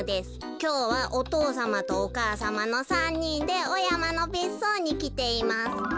きょうはお父さまとお母さまの３にんでおやまのべっそうにきています。